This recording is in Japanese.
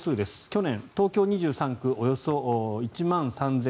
去年、東京２３区およそ１万３３００戸。